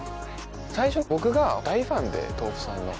最初僕が大ファンでｔｏｆｕさんの。